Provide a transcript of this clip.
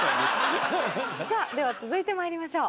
では続いてまいりましょう。